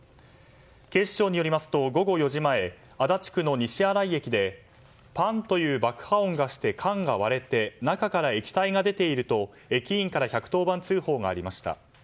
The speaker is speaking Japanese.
警視庁によりますと、午後４時前足立区の西新井駅でパンという爆破音がして缶が割れて中から液体が出ていると駅員から１１０番通報がありました。